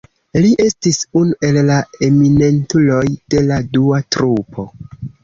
Li estis unu el la eminentuloj de la dua trupo.